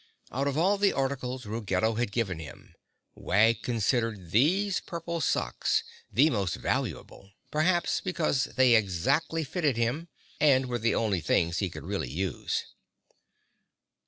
Out of all the articles Ruggedo had given him, Wag considered these purple socks the most valuable, perhaps because they exactly fitted him and were the only things he could really use.